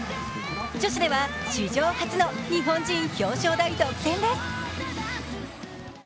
女子では史上初の日本人表彰台独占です。